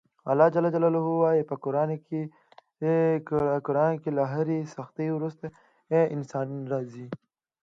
الله ج وایي په قران کې له هرې سختي وروسته اساني راځي.